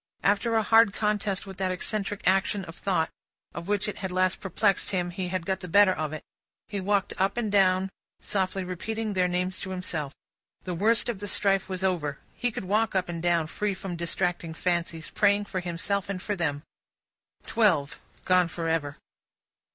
After a hard contest with that eccentric action of thought which had last perplexed him, he had got the better of it. He walked up and down, softly repeating their names to himself. The worst of the strife was over. He could walk up and down, free from distracting fancies, praying for himself and for them. Twelve gone for ever.